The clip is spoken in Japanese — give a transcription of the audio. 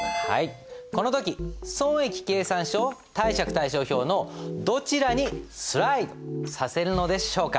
この時損益計算書貸借対照表のどちらにスライドさせるのでしょうか？